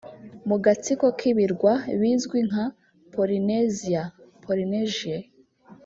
mu gatsiko k’ibirwa bizwi nka Polinesia/Polinesie